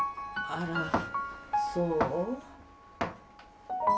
あらそう。